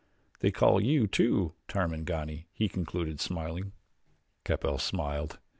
They call you, too, Tarmangani," he concluded, smiling. Capell smiled.